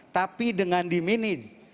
tapi dengan diminis